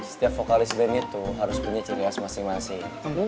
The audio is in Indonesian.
setiap vokalis brand itu harus punya ciri khas masing masing